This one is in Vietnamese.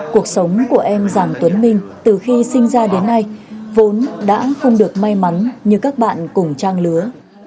cuộc sống của em giàng tuấn minh từ khi sinh ra đến nay vốn đã không được may mắn như các bạn cùng trang lứa